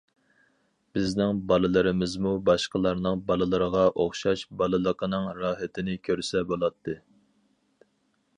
بىزنىڭ بالىلىرىمىزمۇ باشقىلارنىڭ بالىلىرىغا ئوخشاش بالىلىقنىڭ راھىتىنى كۆرسە بولاتتى.